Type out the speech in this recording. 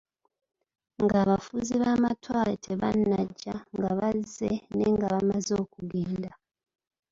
Nga abafuzi b'amatwale tebanajja, nga bazze, ne nga bamaze okugenda.